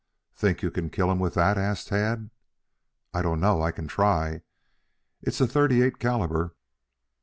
"Think you can kill him with that?" asked Tad. "I don't know. I can try. It's a thirty eight calibre."